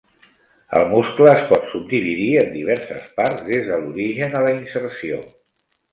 El muscle es pot subdividir en diverses parts des de l"origen a la inserció.